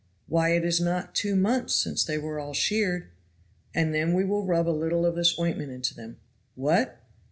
Why it is not two months since they were all sheared." "And then we will rub a little of this ointment into them." "What!